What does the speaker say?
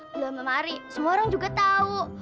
belum lemari semua orang juga tahu